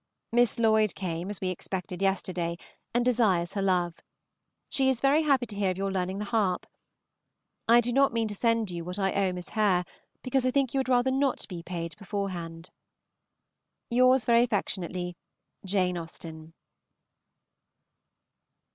Miss Lloyd came, as we expected, yesterday, and desires her love. She is very happy to hear of your learning the harp. I do not mean to send you what I owe Miss Hare, because I think you would rather not be paid beforehand. Yours very affectionately, JANE AUSTEN.